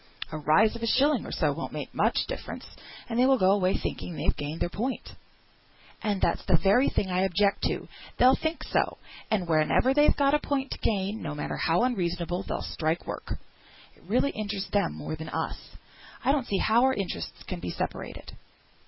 "A rise of a shilling or so won't make much difference, and they will go away thinking they've gained their point." "That's the very thing I object to. They'll think so, and whenever they've a point to gain, no matter how unreasonable, they'll strike work." "It really injures them more than us." "I don't see how our interests can be separated."